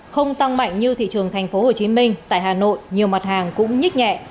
không tăng mạnh như thị trường tp hcm tại hà nội nhiều mặt hàng cũng nhích nhẹ